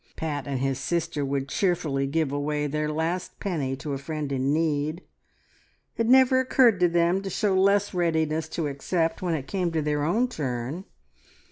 Pat and his sister would cheerfully give away their last penny to a friend in need. It never occurred to them to show less readiness to accept when it came to their own turn.